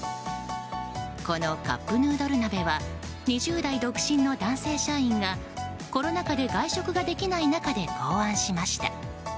このカップヌードル鍋は２０代独身の男性社員がコロナ禍で外食ができない中で考案しました。